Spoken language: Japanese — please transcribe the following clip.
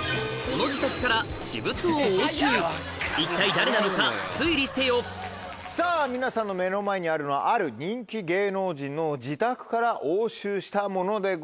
このさぁ皆さんの目の前にあるのはある人気芸能人の自宅から押収したものでございます。